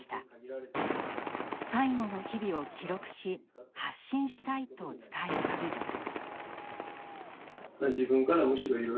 最期の日々を記録し発信したいと伝えるためです。